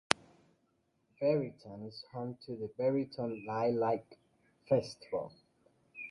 Barryton is home to the Barryton Lilac Festival.